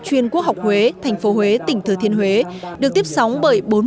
chuyên quốc học huế thành phố huế tỉnh thừa thiên huế được tiếp sóng bởi bốn mươi